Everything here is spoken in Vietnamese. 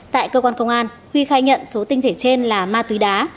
tại cơ quan công an huy khai nhận số tinh thể trên là ma túy đá